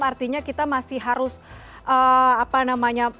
artinya kita masih harus menunggu